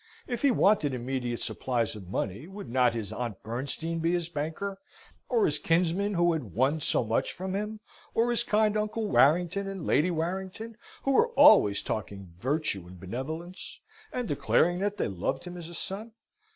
If he wanted immediate supplies of money, would not his Aunt Bernstein be his banker, or his kinsman who had won so much from him, or his kind Uncle Warrington and Lady Warrington who were always talking virtue and benevolence, and declaring that they loved him as a son?